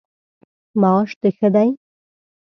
معاش د ښه دی؟